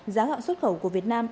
giá gạo xuất khẩu của việt nam